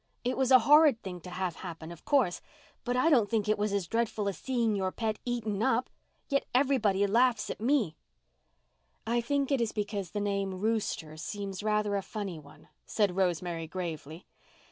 It was a horrid thing to have happen, of course, but I don't think it was as dreadful as seeing your pet eaten up. Yet everybody laughs at me." "I think it is because the name 'rooster' seems rather a funny one," said Rosemary gravely.